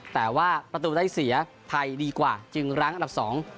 แต่ว่าประตูได้เสียไทยดีกว่าจึงรั้งอันดับสอง